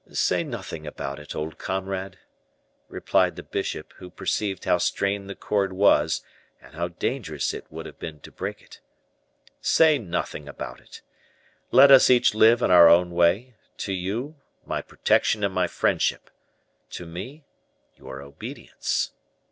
"Say nothing about it, old comrade," replied the bishop, who perceived how strained the cord was and how dangerous it would have been to break it; "say nothing about it. Let us each live in our own way; to you, my protection and my friendship; to me, your obedience.